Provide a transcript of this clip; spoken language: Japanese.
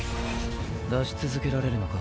出し続けられるのか？